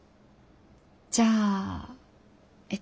じゃあえっと